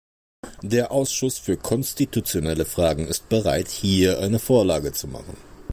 Der Ausschuss für konstitutionelle Fragen ist bereit, hier eine Vorlage zu machen.